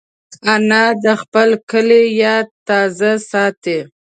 انا د خپل کلي یاد تازه ساتي